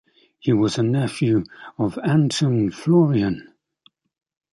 He was a nephew of Anton Florian.